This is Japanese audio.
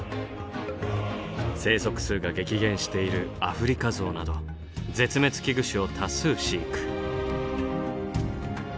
生息数が激減しているアフリカゾウなど絶滅危惧種を多数飼育。